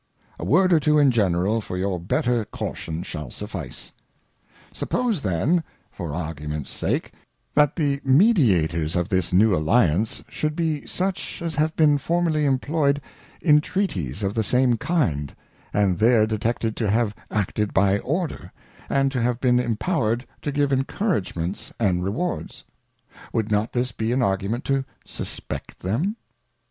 A word or two in general, for your better caution, shall suf&ce : Suppose then, for Argument's sake, that the Mediators of this new Alliance, should be such as have been formerly imployed in Treaties of the same kind, and there detected to have Acted by Order, and to have been Impower'd to give Encouragements and Rewards. Would not this be an Argument to suspect them